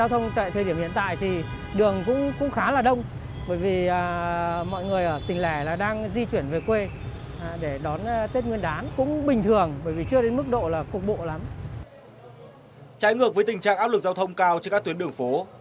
trái ngược với tình trạng áp lực giao thông cao trên các tuyến đường phố